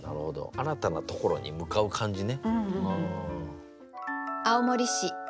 新たなところに向かう感じね。